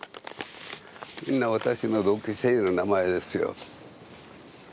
みんな私の同級生の名前ですよ。